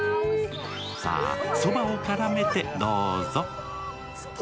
さあ、そばを絡めて、どうぞ。